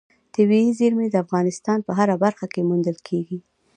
طبیعي زیرمې د افغانستان په هره برخه کې موندل کېږي.